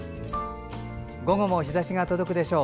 午後も日ざしが届くでしょう。